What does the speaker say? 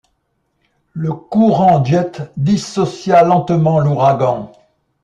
Le courant-jet dissocia lentement l'ouragan.